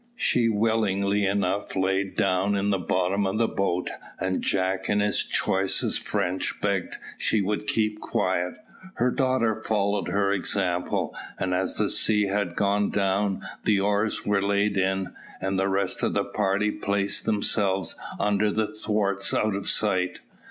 She willingly enough lay down in the bottom of the boat, and Jack in his choicest French begged she would keep quiet; her daughter followed her example; and as the sea had gone down, the oars were laid in, and the rest of the party placed themselves under the thwarts out of sight.